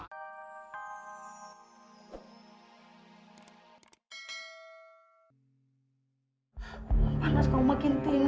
coba dapat lagi yang